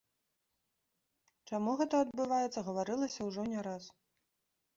Чаму гэта адбываецца, гаварылася ўжо не раз.